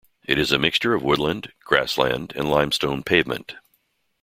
It is a mixture of woodland, grassland and limestone pavement.